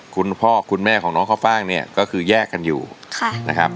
คุณพ่อคุณแม่ของน้องข้าวฟ่างเนี่ยก็คือแยกกันอยู่นะครับ